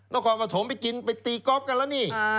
น้องความประถมไปกินไปตีกอล์ฟกันแล้วนี่